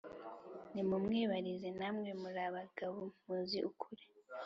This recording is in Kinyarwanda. Nimumwibarize namwe murabagabo muzi ukuri